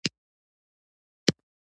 نوې تجربه د انسان ذهن پراخوي